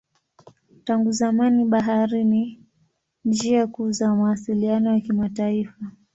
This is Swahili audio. Tangu zamani bahari ni njia kuu za mawasiliano ya kimataifa.